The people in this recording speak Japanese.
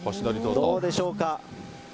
どうでしょうか。